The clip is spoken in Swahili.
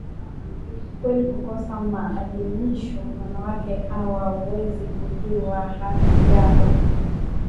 Kweli ku kosa ma adibisho wanawake awa wezi kujuwa haki yabo